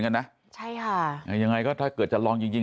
อยังไงก็ถ้าเกิดคุณผู้หญิง